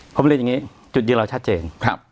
ผมเรียนอย่างนี้จุดยืนเราชัดเจน